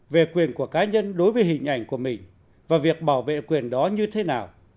về quyền của cá nhân đối với hình ảnh của mình và việc bảo vệ quyền đó như thế nào